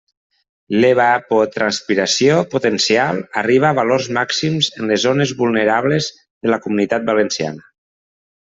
L'evapotranspiració potencial arriba a valors màxims en les zones vulnerables de la Comunitat Valenciana.